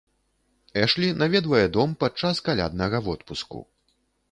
Эшлі наведвае дом падчас каляднага водпуску.